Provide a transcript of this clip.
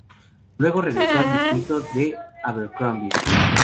Luego regresó al distrito de Abercrombie.